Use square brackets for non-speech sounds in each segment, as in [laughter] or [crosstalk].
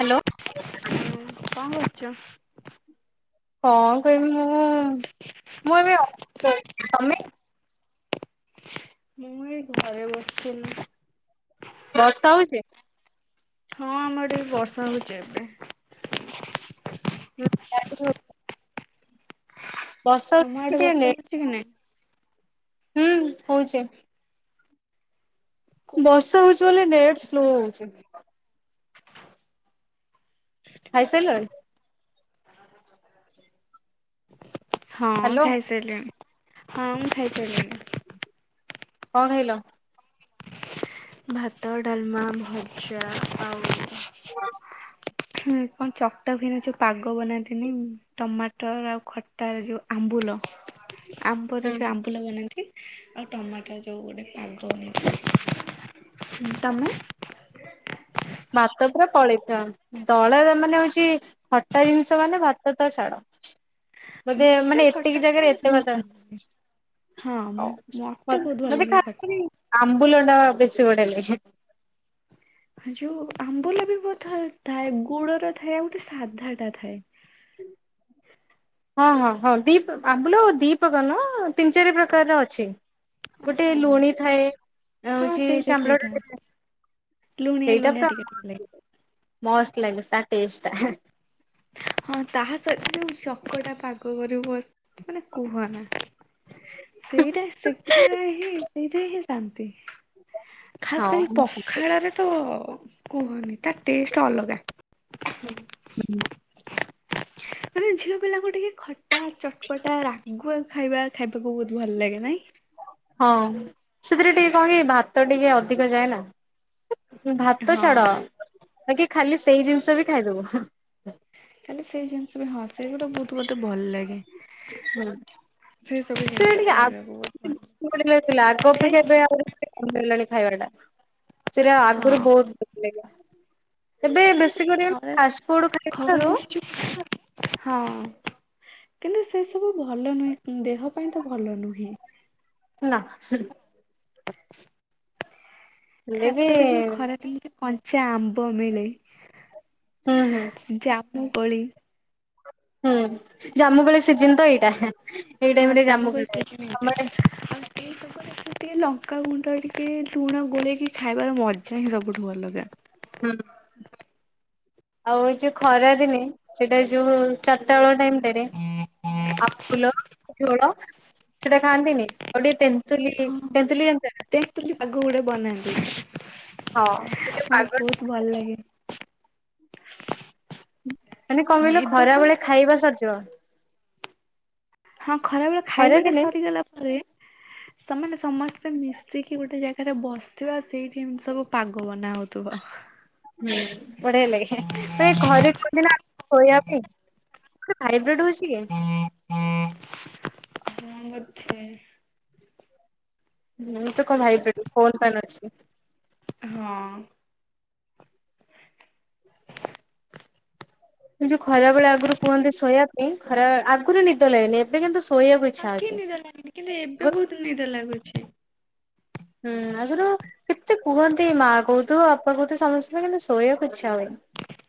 Hello. ହୁଁ କଣ କରୁଛୁ? କଣ କରିବି ମୁଁ ମୁଁ ଏବେ ଶୋଇଛି ତମେ। ମୁଁ ଏଇ ଘରେ ବସିଥିଲି। ବର୍ଷା ହଉଛି। ହଁ ଆମରଆଡ଼େ ବର୍ଷା ହଉଛି ଏବେ। ହୁଁ [unintelligible] ବର୍ଷା ତମ ହଉଛି ଆଡେ ଟିକେ ବର୍ଷା ହଉଛି କି ଲେଟ ନାଇଁ? ହୁଁ ହଉଛି। କ ବର୍ଷା ହଉଛି ବୋଲି ନେଟ୍ ସ୍ଲୋ ହଉଛି। ଖାଇ ସାରିଲଣି? ହଁ ହ୍ୟାଲୋ ଖାଇ ସାରିଲିଣି। ହଁ ମୁଁ ଖାଇ ସାରିଲିଣି। କଣ ଖାଇଲ? ଭାତ ଡାଲମା ଭଜା ଆଉ ହୁଁ କଣ ଚକଟା ହୁଏନି ଯୋଉ ପାଗ ବନାନ୍ତିନି ଟମାଟର ଆଉ ଖ ଟାର ଯଉ ଆମ୍ବୁଲ। ହୁଁ ଆମ୍ବରେ ଯଉ ଆମ୍ବୁଲ ବନାନ୍ତି ଆଉ ଟମାଟ ଯଉ ଗୋଟେ ପାଗ ହୁଏ। ହୁଁ ତମେ? ଭାତ ପୁରା ପଳେଇଥା ଦଳେ ମାନେ ହଉଛି ଖଟା ଜିନିଷ ମାନେ ଭାତ ତ ଛାଡ ବୋଧେ ମତେ ମାନେ ଖଟା ଏତିକି ମାନେ ଜାଗାରେ ଏତେ ବହୁତ ଭାତ ଭଲ ଲାଗେ। ହଁ ମତେ ବହୁତ ଭଲ ଲାଗେ ଖଟ ଆମ୍ବୁଲଟା ବେଶୀ ବଢ଼ିଆ ଲାଗେ। ହେ ଯୋଉ ଆମ୍ବୁଲ ବି ବହୁତ ଥାଏ ଗୁଡର ଥାଏ ଆଉ ଗୋଟେ ସାଧା ଟା ଥାଏ। ହଁ ହଁ ହଁ ଦୀପ ଆମ୍ବୁଲ ଦୀପ୍ରକର ନୁହ ତିନି ଚାରି ପ୍ରକାରର ଅଛି। ଗୋଟେ ହଁ ଲୁଣୀ ଥାଏ ଅ ହଁ ହଉଛି ସେଇଟା ସେ ସେଇଟା [unintelligible] ଲୁଣିଆ ଲୁଣିଆ ଟିକେ ଟିକେ ଲାଗେ। ମସ୍ ଲାଗେ ତା ଟେଷ୍ଟଟା ହାଁ। ହଁ ତା ସହିତ ଯୋ ଚକଟା ପାଗ କରିବୁ ବ ମାନେ କୁହ ନା। ସେଇଟା ସେଗୁଡା ହିଁ ସେଇଠା ହିଁ ଶାନ୍ତି। ଖାସ କରି ହଁ ପଖାଳରେ ତ କୁହନି ତା ଟେଷ୍ଟ ଅଲଗା। ହୁଁ। ମାନେ ଝିଅ ପିଲାଙ୍କୁ ଟିକେ ଖଟା ଚଟପଟା ରାଗୁଆ ଖାଇବା ଖାଇବାକୁ ବହୁତ ଭଲ ଲାଗେ ନାଇଁ। ହଁ ସେଥିରେ ଟିକେ କଣ କି ଭାତ ଟିକେ ଅଧିକ ଯାଏ ନା। ଭାତ ହଁ ଛାଡ କି ଖାଲି ସେଇ ଜିନିଷ ବି ଖାଇଦବୁ। ହୁଁ ଖାଲି ସେଇ ଜିନିଷ ବି ହଁ ସେଇ ଗୁରା ବହୁତ ମତେ ଭଲ ଲାଗେ। ସେଇ ସବୁ ସେ ଜିନିଷ ଟିକେ ଆଗ ଖାଇବାକୁ ବହୁତ ଭଲ [inaudible] ଥିଲା ଆଗ ଖାଇ ଅପେକ୍ଷା ଏବେ ଆଉରି [inaudible] କମିି ଗଲାଣି ଖାଇବା ଟା ସେଟା ଆଗରୁ ହଁ। ବହୁତ [unintelligible] ଏବେ ନାଇଁ ବେଶୀ ଯୋଉ କରି ଖରା ଫାଷ୍ଟ ଫୁଡ଼ ଖାଇବାରୁ ଖରାଦିନେ ଯୋଉ ହଁ। କିନ୍ତୁ ସେ ସବୁ ଭଲ ନୁହେଁ ଦେହ ପାଇଁ ତ ଭଲ ନୁହେଁ। ନା ସେ ହେଲେ ବି ଖାସ କରି ଯୋଉ ଖରା ଦିନରେ କଞ୍ଚା ଆମ୍ବ ମିଳେ। ହୁଁ ହୁଁ। ଜାମୁକୋଳି ହୁଁ ଜାମୁକୋଳି ସିଜନ ତ ଏଇଟା ଏଇ ହଁ ଟାଇମରେ ଜାମୁ କୋଳି ଜାମୁକୋଳି ଥାଏ ସିଜିନ ଏଇଟା। ତମ ଆଡ଼େ [inaudible] ଟିକେ ଲଙ୍କାଗୁଣ୍ଡ ଟିକେ ଲୁଣ ଗୋଳେଇକି ଖାଇବାର ମଜା ହିଁ ସବୁଠୁ ଭଲ ଅଲଗା। ହୁଁ। ଆଉ ଏଇ ଯୋଉ ଖରା ଦିନେ ସେଇଟା ଯୋଉ ଚାରିଟା ବେଳ ଟାଇମ ସେଥିରେ ଆମ୍ବୁଲ ଝୋଳ ସେଟା ଖାଆନ୍ତିନି ଆଉ ଟିକେ ତେନ୍ତୁଲି ହଁ। ତେନ୍ତୁଲି ଜାଣିଚ ନା? ତେନ୍ତୁଲି ଆଗ ଗୋଡେ ବନାନ୍ତି ହଁ ସେ ଯୋଉ ପାଗ ବହୁତ ଭଲ ଲାଗେ। ମାନେ କଣ କହିଲୁ ଏବେ କଣ ଖରାବେଳେ ଖାଇବା ସରିଯିବ। ହଁ ଖରା ବେଳେ ଖରା ଖାଇବା ଟା ଦିନେ ସରିଗଲା ପରେ। ସେମାନେ ସମସ୍ତେ ମିଶିକି ଗୋଟେ ଜାଗାରେ ବସିଥିବ ଆଉ ସେଇଠି ଏମିତି ସବୁ ପାଗ ବନା ହଉଥିବ। ହୁଁ ବଢିଆ ଲାଗେ ମୁ ଏ ଘରେ କୁହନ୍ତିି ନା ଶୋଇବା ପାଇଁ। ଭାଇବ୍ରେଡ ହଉଛି କି? ହଁ ବଧେ। ହୁଁ ମୁଁ [unintelligible] ପାଇଁ ଅଛି। ହଁ। ଯୋଉ ଖରା ବେଳେ ଆଗରୁ କୁହନ୍ତି ଶୋଇବା ପାଇଁ ଖରା ଆଗରୁ ନିଦ ଲାଗନି ଏବେ କିନ୍ତୁ ଶୁ ଆଖି ନିଦ ଲାଗନି କିନ୍ତୁ ଏବେ ଆଗରୁ ବହୁତ ନିଦ ଲାଗୁଛି। ହୁଁ ଆଗୁରୁ। କେତେ କୁହନ୍ତି ମା କହୁଥୁବ ବାପା କହୁଥିବେ ସମସ୍ତ କିନ୍ତୁ ଶୋଇବାକୁ ଇଚ୍ଛା ହଉନି।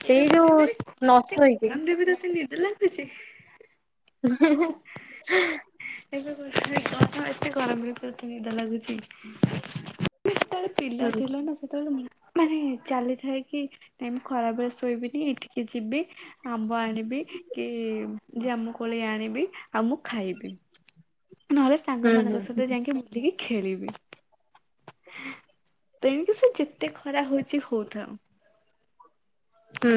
ଏବେ ସେଇ ଯୋଉ କହୁଛନ୍ତି ଆରେ ନ ଏତେ ଶୁଇକି ମ ଗରମରେ ବି ତତେ ନିଦ ଲାଗୁଛି। [inaudible] ଏବେ ଏତେ ଗରମ ଏତେ ଗରମରେ ତତେ ନିଦ ଲାଗୁଛି। ସେତେବେଳେ ପିଲା ହୁଁ ଥିଲନା ସେତେବେଳେ ମୁ ମାନେ ଚାଲିଥାଏ କି ନାଇ ମୁ ଖରାବେଳେ ଶୋଇବିନି ଏଇଠିକି ଯିବି। ଆମ୍ବ ଆଣିବି କି ଯୋମୁ କୋଳି ଆଣିବି ଆଉ ମୁଁ ଖାଇବି। ନହେଲେ ସାଙ୍ଗ ହୁଁ ମାନଙ୍କ ସହିତ ଯାଇକି ବୁଲିକି ଖେଳିବି। ତେଣିକି ସେ ଯେତେ ଖରା ହଉଛି ହଉଥାଉ। ହୁଁ।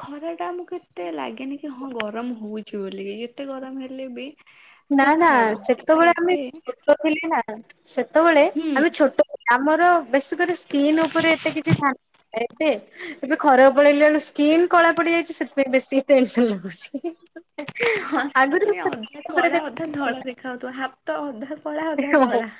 ଖରାଟା ଆମକୁ ଏତେ ଲାଗେନି କି ହଁ ଗରମ ହଉଛି ବୋଲିକି ଯେତେ ଗରମ ହେଲେ ବି। ନା ସେ ନା ଛାଡ କିନ୍ତୁ ସେତେବେଳେ ଆମେ ଏବେ ଛୋଟ ଥିଲେ ନା। ସେତେବେଳେ ହୁଁ ଆମେ ଛୋଟ ଲେ ଆମର ବେଶ କରି ସ୍କିନ୍ ଉପରେ ଏତେ କିଛି ଧା ଏବେ। ଏବେ ଖରା ପଳେଇଲା ବେଳୁ ସ୍କିନ୍ କଳା ପଡି ଯାଇଛି ସେଥିପାଇଁ ବେଶୀ ଟେନସନ ଲାଗୁଛି। ହଁ ଆଗୁରୁ ପୁଣି ଉ ଅଧା କଳା ଅଧା ଧଳା ଦେଖାହଉଥିବ ହାତ ଅଧା କଳା ଅଧା ଧଳା।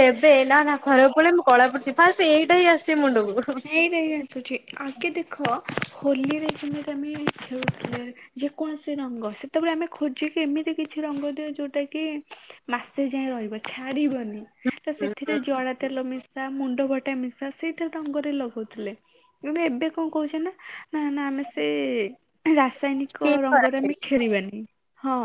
ଏବେ ନା ନା ଖରାକୁ ପଳେଇମି କଳା ପଡିଯିମି ଫାର୍ଷ୍ଟ ଏଇଟା ହିଁ ଆସିଛି ମୁଣ୍ଡକୁ। ଏଇରା ହିଁ ଆସୁଛି ଆଗେ ଦେଖ ହୋଲିରେ ଯେମିତି ଆମେ ଖେଳୁଥିଲେ। ଯେକୌଣସି ରଙ୍ଗ ସେତେବେଳେ ଆମେ ଖୋଜିକି ଏମିତି କିଛି ରଙ୍ଗ ଦେଉ ଯୋଉଟା କି। ମାସେ ଯାଏ ରହିବ ଛାଡିବନି। ତ ସେଥିରେ ଜଡା ତେଲ ମିଶା ମୁଣ୍ଡ ଫଟା ମିଶା ସେ କେତେ ଡଙ୍ଗରେ ଲଗଉଥିଲେ କିନ୍ତୁ ଏବେ କଣ କହୁଛେ ନା। ନା ନା ଆମେ ସେ ରାସାୟନିକ ସ୍କିନ୍ ଖରାପ ରଙ୍ଗରେ ଆମେ ହେଇଛି ଖେଳିବାନି ହଁ।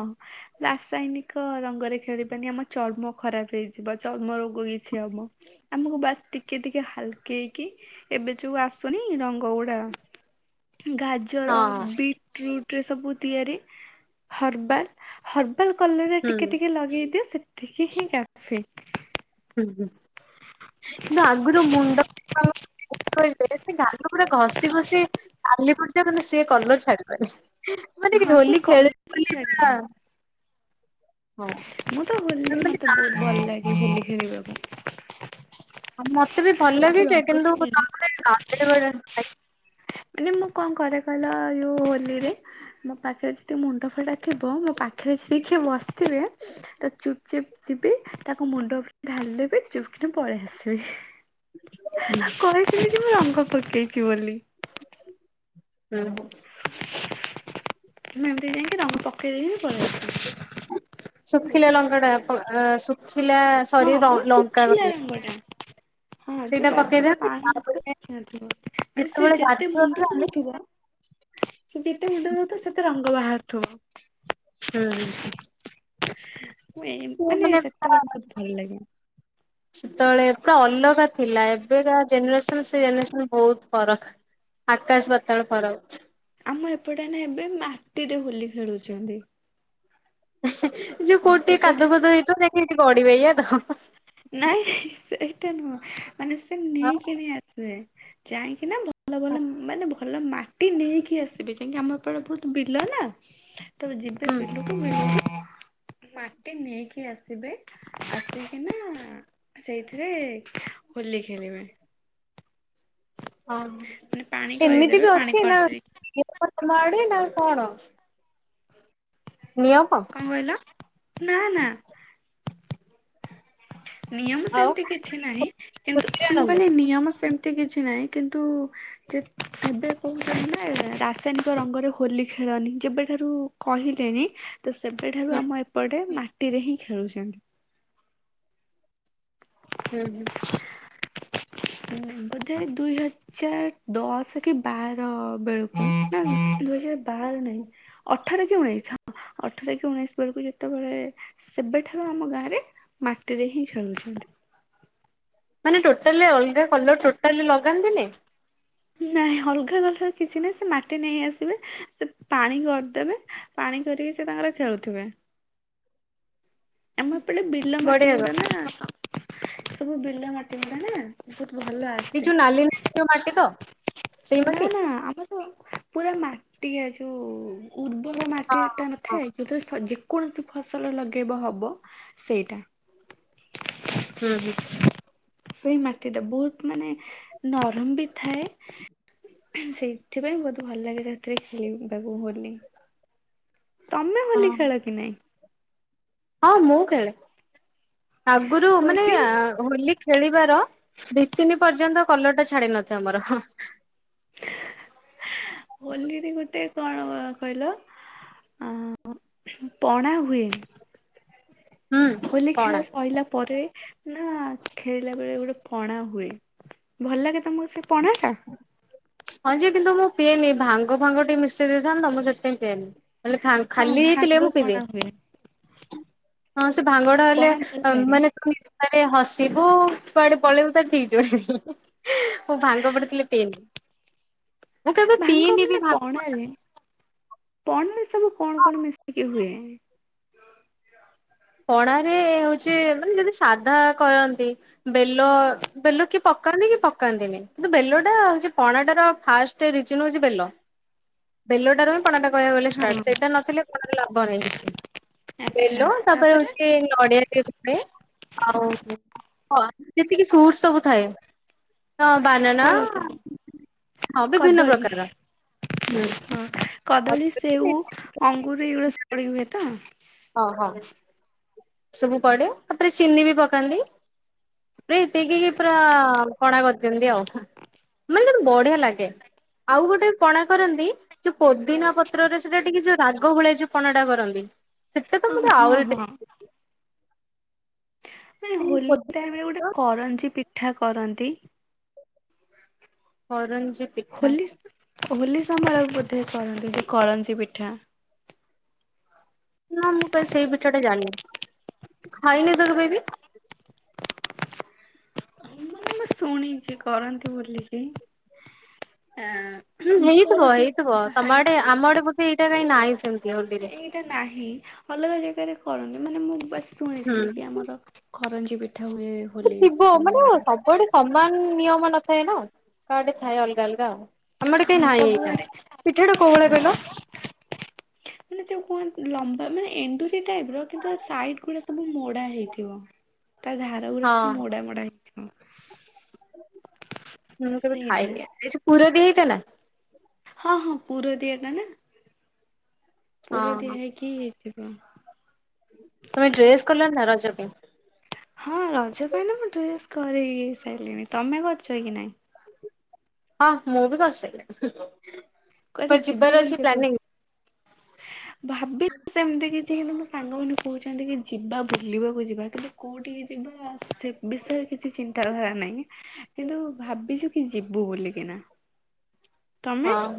ରାସାୟନିକ ରଙ୍ଗରେ ଖେଳିବାନି ଆମ ଚର୍ମ ଖରାପ ହେଇଯିବ ଚର୍ମ ରୋଗ କିଛି ହବ। ଆମକୁ ବାସ୍ ଟିକେ ଟିକେ ହାଲ କେଇକି ଏବେ ଯୋଉ ଆସୁନି ରଙ୍ଗ ଗୁଡା ଗା ଜର ହଁ ହଁ ବିଟ୍ ରୁଟ ରେ ସବୁ ତିଆରି ହର୍ବାଲ ହ କଲରରେ ଟିକେ ଟିକେ ଲଗେଇ ଦିଏ ସେତିକି ହିଁ କାଫି। ହୁଁ ହୁଁ କିନ୍ତୁ ଆଗ ଯଉ ମୁଣ୍ଡ ଗାଲ ପୁରା ଘଷି ଘଷି ଲାଲି ପଡିଯିବ କିନ୍ତୁ ସିଏ କଲର ଛାଡିବନି। ମାନେ କି ହଁ ସେ ହୋଲି ଖେଳ କଲର ହିଁ ହୋଲି ପା। ଛାଡୁନି ମୁଁ ତ ହୋଲି ମାନେ ମତେ ବହୁତ ଭଲ ଲାଗେ କି ହୋଲି ଖେଳିବାକୁ। ଆ ମତେ ବି ଭଲ ଲାଗେ ଆଉ ଯେ ରଙ୍ଗ କିନ୍ତୁ ଖେଳେ ତାପରେ ଗାଧେଇବା ରେ ମାନେ ମୁଁ କଣ କରେ କହିଲ ଯଉ ହୋଲି ରେ ମୋ ପାଖରେ ଯଦି ମୁଣ୍ଡ ଫଟା ଥିବ ମୋ ପାଖରେ ଯାଇ କିଏ ବସିଥିବେ ତ ଚୁ ଚିପ୍ ଚିପି ତାକୁ ମୁଣ୍ଡ ଉପରେ ଢାଳିଲେ ବି ଚୁପ୍ କିିନା ପଳେଇ ଆସିବି। କହିଥିଲି ଯେ ମୁଁ ରଙ୍ଗ ପକେଇଛି ବୋଲି। ହୁଁ ହୁଁ। ମୁଁ ଏମିତି ଯାଇକି ରଙ୍ଗ ପକେଇ ଦେଇକି ପଳେଇ ଆସିବି। ଶୁଖିଲା ଲଙ୍କା ଟା ପ ଶୁଖିଲା ସରି ଲ-ଲଙ୍କା କହିଲି। ବଢିଆ। ସେଇଟା ପକେଇ ଦିଅନ୍ତି ନଥିବ ତାପରେ କିଛି ନଥିବ ମାନେ ସେ ଯେତେବେଳେ ଯେତେ ମୁଣ୍ଡ ଗାଧେଇବାକୁ ଯାଆନ୍ତି ଧୋଉଥିବ ସେ ଯେତେ ମୁଣ୍ଡ ଧୋଉଥିବ ସେତେ ରଙ୍ଗ ବାହାରୁଥିବ। ହୁଁ ହୁଁ। ମୁଁ ଏ ସେ ମାନେ ପୁରା ସେତେବେଳେ ବହୁତ ଭଲ ଲାଗେ। ସେତେବେଳେ ପୁରା ଅଲଗା ଥିଲା ଏବେକା ଜେନେରେସନ ସେ ଜେନେରେସନ ବହୁତ ଫରକ। ଆକାଶ ପାତାଳ ଫରକ। ଆମ ଏପଟେ ନା ଏବେ ମାଟିରେ ହୋଲି ଖେଳୁଛନ୍ତି। ଯଉ କୋଉଠି ଟିକେ ଯେବେଠା କାଦୁଅ ଫାଦୁଅ ହେଇଥିବ ଯାଇକି ସେଠି ଗଡିବେ ଏଇୟା ତ୍? ନାଇଁ ସେଇଟା ନୁହଁ ମାନେ ସେ ନେଇକିନି ଆସିବେ। ଯାଇକିନା ଭଲ ଭଲ ମାନେ ଭଲ ମାଟି ନେଇକି ଆସିବେ ଯାଇକି ଆମ ଏପଟେ ବହୁତ ବିଲ ନା। ତାପରେ ଯିବେ ହୁଁ ବିଲ ମାଟି ନେଇକି ଆସିବେ ଆସିକିନା ଆ ସେଇଥିରେ ହୋଲି ଖେଳିବେ। ଅ ମାନେ ପାଣି ହ ଏମିତି କରିଦେବେ ବି ପାଣି ଅଛି ନା କରିଦେଇକି ତମ ଆଡେ ନା କଣ? ନିୟମ କଣ କହିଲ? ନା ନା। ନିୟମ ଆଉ ସେମିତି କିଛି ନାହିଁ କିନ୍ତୁ ଖୁସିରେ ମୁଁ ଆଣନ୍ତି। କହିଲି ନିୟମ ସେମିତି କିଛି ନାହିଁ କିନ୍ତୁ ଯେ ଏବେ କହୁଛନ୍ତି ନା ରାସାୟନିକ ରଙ୍ଗରେ ହୋଲି ଖେଳନି ଯେବେଠାରୁ କହିଲେଣି ତ ସେବେଠାରୁ ହୁଁ ଆମ ଏପଟେ ମାଟିରେ ହିଁ ଖେଳୁଛନ୍ତି। ହୁଁ ହୁଁ। ବୋଧେ ଦୁଇ ହଜ ଦୁଇ ହଜାର ଦଶ କି ବାର ବେଳକୁ ନା ଦୁଇ ହଜାର ବାର ନାଇଁ ଅଠର କି ଉଣେଇଶି ହଁ ଅଠର କି ଉଣେଇଶି ବେଳକୁ ଯେତେବେଳେ ସେବେଠାରୁ ଆମ ଗାଁରେ ମାଟିରେ ହିଁ ଖେଳୁଛନ୍ତି। ମାନେ ଟୋଟାଲି ଅଲଗା କଲର ଟୋଟାଲି ଲଗାନ୍ତିନି। ନାଇଁ ଅଲଗା କଲର କିଛି ନାହିଁ ସେ ମାଟି ନେଇ ଆସିବେ ସେ ପାଣି କରିଦେବେ ପାଣି କରିକି ସେ ତାଙ୍କର ଖେଳୁଥିବେ। ଆମ ଏପଟେ ବିଲ ମାଟି ବଢିଆ ତ। ଗୁଡା ନା ସବୁ ବିଲ ମାଟି ଗୁଡା ନା ବହୁତ ଭଲ ଆସେ ଏଯଉ ନାଲି ନାଲି ଜଉ ମାଟି ତ? ସେଇ ମାଟି ନାଁ ନାଁ ଆମର ତ ପୁରା ମାଟିଆ ଯଉ ଉର୍ବର ହଁ ମାଟି ଟା ହଁ ନଥାଏ ଯଉଥିରେ ସ ଯେକୌଣସି ଫସଲ ଲଗେଇବ ହବ ସେଇଟା ହୁଁ ହୁଁ। ସେଇ ମାଟିଟା ବହୁତ ମାନେ ନରମ ବି ଥାଏ। ସେଇଥିପାଇଁ ବହୁତ ଭଲ ଲାଗେ ସେଥିରେ ଖେଳିବାକୁ ହୋଲି। ତମେ ହଁ ହୋଲି ଖେଳ କି ନାଇଁ? ହଁ ମୁଁ ଖେଳେ ଆଗୁରୁ ମାନେ ହୋଲି ହୋଲି ଖେଳିବାର ଦି ତିନି ପର୍ଯ୍ୟନ୍ତ କଲର ଟା ଛାଡି ନଥିବ ମୋର। [inaudible] ହୋଲିରେ ଗୋଟେ କଣ କହିଲ? ଆ ପଣା ହୁଏ। ହୁଁ ହୋଲି ଖେଳ କଣା। ସଇଲା ପରେ ନା ଖେଳିଲା ବେଳେ ଗୋଟେ ପଣା ହୁଏ ଭଲ ଲାଗେ ତମକୁ ସେ ପଣା ଟା? ହଁଜେ କିନ୍ତୁ ମୁଁ ପିଏନି ଭାଙ୍ଗ ଫାଙ୍ଗ ଟିକେ ମିଶେଇ ଦେଇଥାନ୍ତ ତ ମୁଁ ସେଥିପାଇଁ ପିଏନି। ନହେଲେ ହଁ ଖାଲି ଦେଇଥିଲେ ଭାଙ୍ଗ ମୁ ପିଇଦିଏ। ପଣା ହୁଏ। ହଁ ସେ ଭାଙ୍ଗଡା ହେଲେ ପଣା ଭଲ ଲାଗେ ମାନେ ନିଶାରେ ହସିବୁ କୁଆଡେ ପଳେଇବୁ ତା ଠିକ ନା ମୁଁ ଭାଙ୍ଗ ପଡିଥିଲେ ପିଏନି। ମୁଁ କେବେ ଭାଙ୍ଗ ପିଇନି ମାନେ ଭାନ ପଣାରେ ପଣାରେ ସବୁ କଣ କଣ ମିଶିକି ହୁଏ? ପଣାରେ ହଉଛି ମାନେ ଯଦି ସାଧା କରନ୍ତି ବେଲ ବେଲ କିଏ ପକାନ୍ତି କି ପକାନ୍ତିନି କିନ୍ତୁ ବେଲଟା ହଉଛି ପଣାଟାର ଫାଷ୍ଟ ରିଜନ ହୋଉଛି ବେଲ। ବେଲଟାରୁ ହଁ ପଣା ଟା କହିବାକୁ ଗଲେ ହଁ। ଷ୍ଟାର୍ଟ ସେଇଟା ନଥିଲେ ପଣାରେ ଲାଭ ନାହିଁ କିଛି। ବେଲୋ ତାପରେ ହଉଛି କି ନଡିଆ ବି ଆଉ ଯେତିକି ଫ୍ରୁଟ୍ସ ସବୁ ଥାଏ। ହଁ ବାନନା ଫଳ ସବୁ ହଁ ବିଭିନ୍ନ କଦଳୀ ପ୍ରକାର। ହୁଁ ହଁ କଦଳୀ ସେଉ ଅଙ୍ଗୁର ଏଗୁଡ଼ା ପଡ଼ି ହୁଏ ତ। ହଁ ହଁ। ସବୁ ପଡେ ତାପରେ ଚିନି ବି ପକାନ୍ତି। ପ୍ରିତିକି କି ପୁରା ପଣା କରିଦିଅନ୍ତି ଆଉ। ମାନେ ବଢିଆ ଲାଗେ ଆଉ ଗୋଟେ ପଣା କରନ୍ତି ଯୋଉ ପୋଦିନା ପତ୍ରରେ ସେଟା ଟିକେ ଯୋଉ ରାଗ ଭଳିଆ ଯଉ ପଣାଟା କରନ୍ତି। ସେଟା ତ ଓ ମତେ ହଁ ଆହୁରି ଟେଷ୍ଟ ହଁ। ଲାଗେ। ଏଇ ସେଇ ହୋଲି ପୋଦିନା ଟାଇମରେ ଗୋଟେ ପତ୍ର କରଞ୍ଜି ପିଠା କରନ୍ତି। କରଞ୍ଜି ପିଠା ହୋଲି ହୋଲି ସମୟରେ ବୋଧେ କରନ୍ତି କରଞ୍ଜି ପିଠା। ନା ମୁଁ କାଇଁ ସେଇ ପିଠା ଟା ଜାଣିନି ଖାଇନି ତ କେବେ ବି। ମାନେ ମୁଁ ଶୁଣିଛି କରନ୍ତି ବୋଲିକି ଆ ହୁଁ ହେଇଥିବ ହେଇଥିବ ତମ ଆଡେ ଆମ ଆଡେ ବୋଧେ ଏଇଟା କାଇଁ ନାହିଁ ସେମିତି। ହୋଲିରେ ଏଇଟା ନାହିଁ ଅଲଗା ଜାଗାରେ କରନ୍ତି ମାନେ ମୁଁ ବାସ ହୁଁ। ଶୁଣିଥିଲି କି ଆମର କରଞ୍ଜି ପିଠା ହୁଏ। ହୋଲି ଥିବ ମାନେ ସମୟରେ। ସବୁଆଡେ ସମାନ ନିୟମ ନଥାଏ ନା କା ଆଡେ ଥାଏ ଅଲଗା ଅଲଗା ଆଉ। ଆମଆଡ଼େ କାଇଁ ହଁ ନାହିଁ ଏଇଟା ସବୁଆଡେ ପିଠାଟା କୋଉ ଭଳିଆ କହିଲ? ସେ ବହୁତ୍ ଲମ୍ବା ମାନେ ଏଣ୍ଡୁରି ଟାଇପ ର କିନ୍ତୁ ସାଇଡ ଗୁଡା ସବୁ ମୋଡା ହେଇଥିବ। ତା ଧାର ଗୁଡା ହଁ ସବୁ ମୋଡା ମୋଡା ହେଇଥିବ। ମୁଁ କେବେ ସେଇଟା ଖାଇନି ଏସବୁ ପୁର ଦିଅ ହେଇଥାଏ ନା। ହଁ ହଁ ପୁର ଦିଆ ଟା ନା। ହଁ ପୁର ଦିଆ ହଁ। ହେଇକି ହେଇଥିବ। ତମେ ଡ୍ରେସ କଲନି ନା ରଜ ପାଇଁ? ହଁ ରଜ ପାଇଁ ତ ମୁଁ ଡ୍ରେସ କରେଇ ସାରିଲିଣିି ତମେ କରିଛ କି ନାଇଁ? ହଁ ମୁଁ ବି କରିସାରଲିନି, କୁଆଡେ ଯିବ ଯିବାର ଅଛି ବୁଲିବାକୁ ପ୍ଲାନିଂ? ଭାବି ତି ସେମିତି କିଛି। କିନ୍ତୁ ମୋ ସାଙ୍ଗମାନେ କହୁଛନ୍ତି କି ଯିବା ଭୁଲିବାକୁ ଯିବା କିନ୍ତୁ କୋଉଠିକି ଯିବା ସେ ବିଷୟରେ କିଛି ଚିନ୍ତାଧାରା ନାହିଁ, କିନ୍ତୁ ଭାବିଛୁ କି ଯିବୁ ବୋଲିକିନା। ତମେ? ହଁ।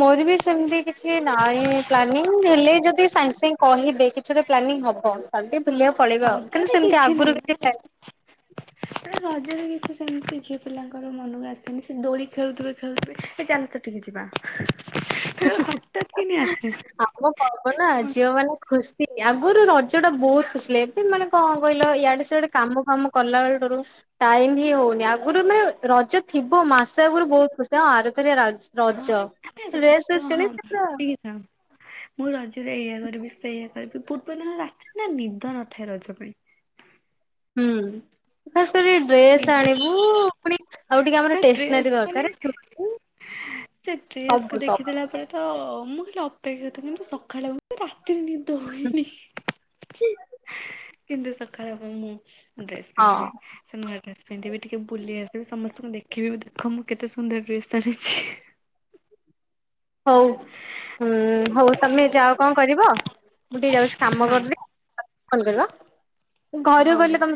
ମୋର ବି ସେମିତି କିଛି ନାହିଁ ପ୍ଲାନିଂ ହେଲେ ଯଦି ସାଙ୍ଗେ ସାଙ୍ଗେ କହିବେ କିଛିଗୋଟେ ପ୍ଲାନି ହବ ଖାଲି ଟିକେ ବୁଲିବାକୁ ପଳେଇବା ଆଉ କିନ୍ତୁ ରଜରେ ସେମତି ନାହିଁ ଆଗରୁ କିଛି ପ୍ଲା ରଜରେ କିଛି ସେମିତି ଝିଅ ପିଲାଙ୍କର ମନକୁ ଆସେନି ସେ ଦୋଳି ଖେଳୁଥିବେ ଖେଲୁଥିବେ ଚାଲ ଚାଲସେ ସେଠିକ୍ ଯିବା ତାଙ୍କର ହଟାତ୍ କିିନି ଆସେ। ହବନା ଝିଅ ମାନେ ଖୁସି ଆଗରୁ ରଜ ଟା ବହୁତ ଖୁସି ଲାଗେ ଏବେ ମାନେ କଣ କହିଲ ଇଆଡେ ସିଆଡେ କାମ ଫାମ କଲା ବେଳ ଠାରୁ ଟାଇମ ହି ହଉନି ଆଗରୁ ମାନେ ରଜ ଥିବ ମାସେ ଆଗରୁ ବହୁତ ଖୁସି ଆଁ ଆରଥର ରଜ ହଁ ରଜ ଆମେ ଡ୍ରେସ ରଜ ଫେସ କିଣି ହଁ ପୁରା [unintelligible] ମୁଁ ରଜରେ ଏଇୟା କରିବି ସେଇୟା କରିବି ପୂର୍ବ ଦିନ ରାତିରେ ନା ନିଦ ନଥାଏ ରଜ ପାଇଁ। ହୁଁ ଖାସ କରି ଡ୍ରେସ୍ ନିଦ ଆଣି ସେ ଟ୍ରସ୍ ମାନେ ଦରକାର ଚୁଡ଼ି ସେ ଟ୍ରେସ୍କୁ ସବୁ ଦେଖି ସବୁ ଦେଲା ପରେ ତ ମୁଁ ଖାଲି ଅପେକ୍ଷା କରିଥିଲି କିନ୍ତୁ ସଖାଳେ ରାତିରେ ନିଦ ହୁଏନି, କିନ୍ତୁ ସକାଳ ହବ ମୁଁ ଡ୍ରେସ ହଁ ପିନ୍ଧିବି ସେ ନୂଆ ଡ୍ରେସ ପିନ୍ଧିବି ଟିକେ ବୁଲି ଆସିବି ସମସ୍ତେ ସ୍ତଙ୍କୁ ଦେଖେଇବି ବି ଦେଖ ମୁଁ କେତେ ସୁନ୍ଦର ଡ୍ରେସ୍ ଆଣିଛି ହି ହଉ ହୁଁ ହଉ ତମେ ଯାଓ କଣ କରିବ ମୁଁ ଟିକେ ଯାଉଛି କାମ ହଁ କରିଦିଏ କଲ କରିବ ଘରକୁ ହଉ ହଉ। ଗଲେ ତମେ